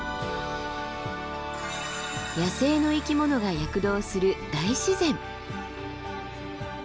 野生の生き物が躍動する大自然。